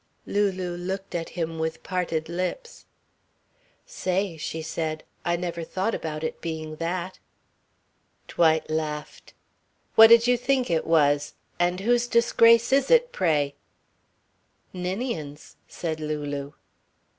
Lulu looked at him with parted lips. "Say," she said, "I never thought about it being that." Dwight laughed. "What did you think it was? And whose disgrace is it, pray?" "Ninian's," said Lulu.